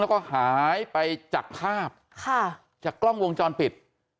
แล้วก็หายไปจากภาพจากกล้องวงจรปิด